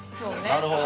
なるほど。